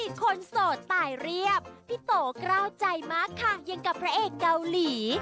คนโสดตายเรียบพี่โตกล้าวใจมากค่ะอย่างกับพระเอกเกาหลี